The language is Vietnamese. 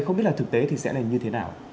không biết là thực tế thì sẽ là như thế nào